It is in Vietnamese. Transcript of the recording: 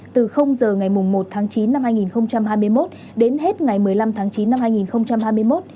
từ giờ ngày một tháng chín năm hai nghìn hai mươi một đến hết ngày một mươi năm tháng chín năm hai nghìn hai mươi một